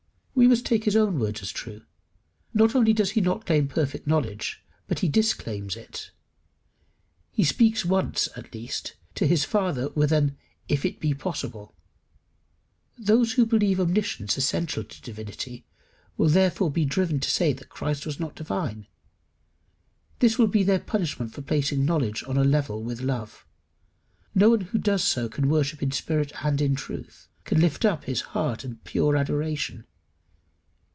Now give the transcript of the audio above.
We must take his own words as true. Not only does he not claim perfect knowledge, but he disclaims it. He speaks once, at least, to his Father with an if it be possible. Those who believe omniscience essential to divinity, will therefore be driven to say that Christ was not divine. This will be their punishment for placing knowledge on a level with love. No one who does so can worship in spirit and in truth, can lift up his heart in pure adoration.